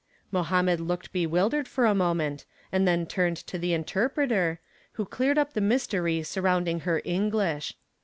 Mohammed looked bewildered for a moment and then turned to the interpreter, who cleared up the mystery surrounding her English.